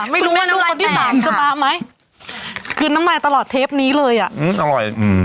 ไม่รู้ว่าดูกับที่สามสบายไหมคืนน้ำมายตลอดเทปนี้เลยอ่ะอื้ออร่อยอื้อ